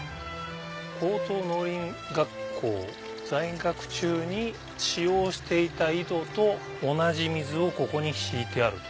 高等農林学校在学中に使用していた井戸と同じ水をここに引いてあると。